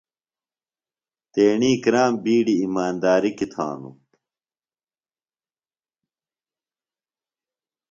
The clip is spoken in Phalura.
تیݨی کرام بِیڈیۡ ایماندیرِیۡ کیۡ تھانوۡ۔